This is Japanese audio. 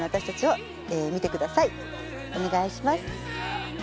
お願いします。